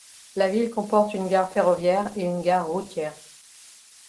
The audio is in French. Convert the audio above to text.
La ville comporte une gare ferroviaire et une gare routière.